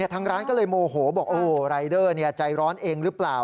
ทางร้านก็เลยโมโหบอกรายเดอร์ใจร้อนเองหรือเปล่า